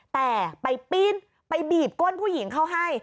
แต่ไปปีนไปบีบก้นผู้หญิงเขาให้